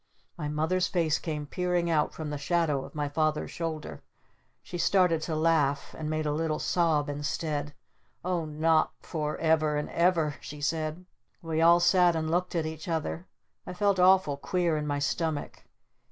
My Mother's face came peering out from the shadow of my Father's shoulder. She started to laugh. And made a little sob instead. "Oh not for ever and ever?" she said. We all sat and looked at each other. I felt awful queer in my stomach.